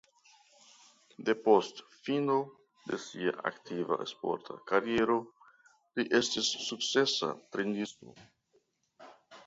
Depost fino de sia aktiva sporta kariero li estis sukcesa trejnisto.